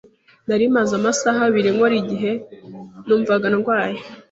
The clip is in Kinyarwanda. Nari maze amasaha abiri nkora igihe numvaga ndwaye.